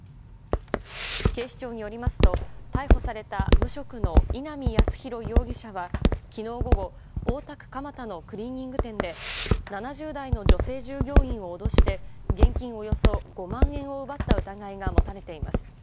警視庁によりますと逮捕された無職の稲見康博容疑者は昨日午後大田区蒲田のクリーニング店で７０代の女性従業員を脅して現金およそ５万円を奪った疑いが持たれています。